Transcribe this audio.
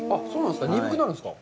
鈍くなるんですか？